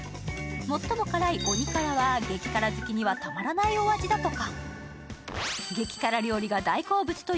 最も辛い、おにからは激辛好きにはたまらないお味だとか。